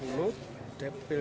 untuk kpu ri